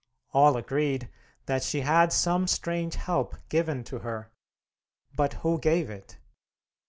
All agreed that she had some strange help given to her; but who gave it?